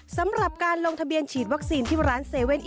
สำหรับการลงทะเบียนฉีดวัคซีนที่ร้าน๗๑๑